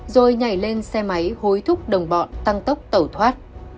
rồi nhảy lên xe máy hối thúc đồng bọn tăng tốc tẩu thoát